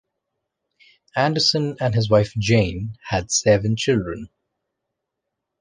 Anderson and his wife Jane had seven children.